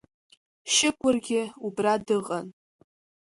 Шьықәыргьы убра дыҟан.